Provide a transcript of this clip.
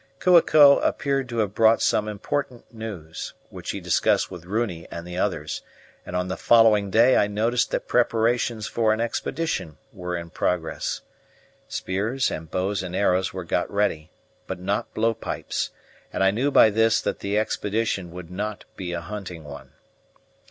Kua ko appeared to have brought some important news, which he discussed with Runi and the others; and on the following day I noticed that preparations for an expedition were in progress. Spears and bows and arrows were got ready, but not blow pipes, and I knew by this that the expedition would not be a hunting one.